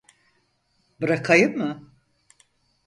Bırakayım mı?